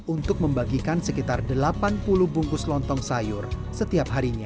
untuk membagikan sekitar delapan puluh bungkus lontong sayur setiap harinya